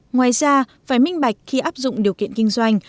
ngoài ra phải minh bạch khi áp dụng điều kiện kinh doanh